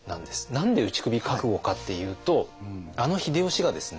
何で打ち首覚悟かっていうとあの秀吉がですね